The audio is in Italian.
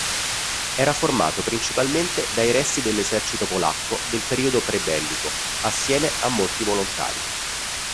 Era formato principalmente dai resti dell'esercito polacco del periodo pre-bellico assieme a molti volontari.